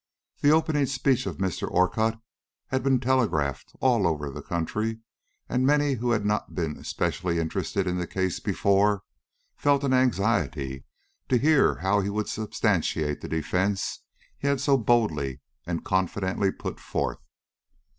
The opening speech of Mr. Orcutt had been telegraphed all over the country, and many who had not been specially interested in the case before felt an anxiety to hear how he would substantiate the defence he had so boldly and confidently put forth.